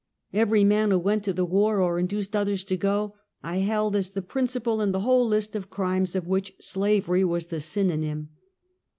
Every man who went to the war, or induced others to go, I held as the principal in the whole list of crimes of v/hich slavery was the synonym.